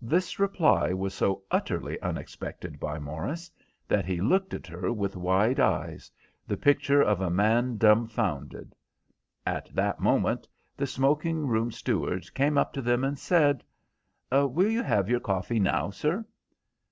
This reply was so utterly unexpected by Morris that he looked at her with wide eyes, the picture of a man dumbfounded. At that moment the smoking room steward came up to them and said— "Will you have your coffee now, sir?"